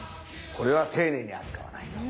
これは丁寧に扱わないと。